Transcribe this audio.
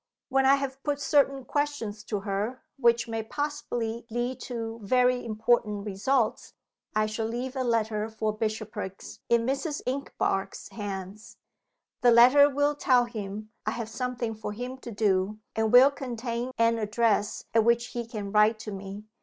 When I have put certain questions to her, which may possibly lead to very important results, I shall leave a letter for Bishopriggs in Mrs. Inchbare's hands. The letter will tell him I have something for him to do, and will contain an address at which he can write to me.